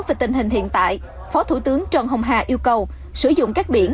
về tình hình hiện tại phó thủ tướng trần hồng hà yêu cầu sử dụng các biển